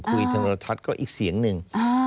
คุยทันลทัศน์ก็อีกเสียงหนึ่ง